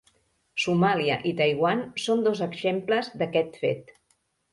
Somàlia i Taiwan són dos exemples d'aquest fet.